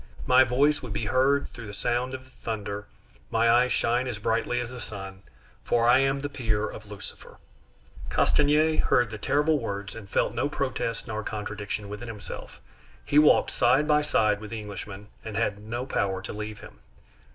My voice could be heard through the sound of the thunder, my eyes shine as brightly as the sun, for I am the peer of Lucifer!" Castanier heard the terrible words, and felt no protest nor contradiction within himself. He walked side by side with the Englishman, and had no power to leave him.